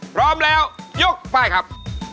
พร้อมแล้วยุทธิ์ป้ายครับ